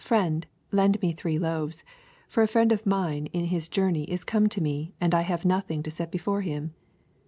Friend^ lend me three loaves ; 6 For a friend of mine in his jour ney is come to me, and I have nothing to set before him